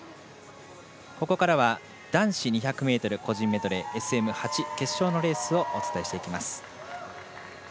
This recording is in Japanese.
ここからは男子２００ｍ個人メドレーＳＭ８決勝のレースをお伝えしていきます。